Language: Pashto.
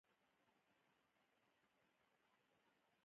بامیان په افغانستان کې د ټولو لپاره خورا ډېر اهمیت لري.